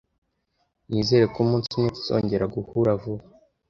Nizere ko umunsi umwe tuzongera guhura vuba.